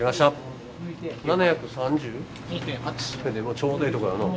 ちょうどええとこやの。